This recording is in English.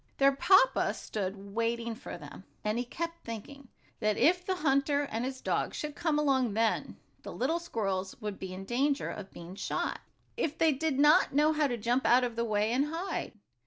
Their papa stood waiting for them, and he kept thinking that if the hunter and his dog should come along then, the little squirrels would be in danger of being shot, if they did not know how to jump out of the way, and hide.